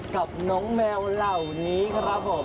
กับน้องแมวเหล่านี้ครับผม